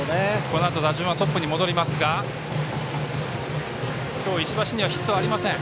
このあと、打順はトップに戻りますが今日石橋にはヒットがありません。